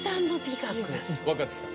若槻さん。